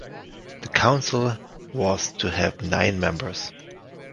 The Council was to have nine members.